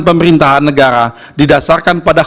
pemerintahan negara didasarkan pada